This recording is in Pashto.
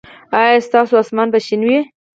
ایا ستاسو اسمان به شین وي؟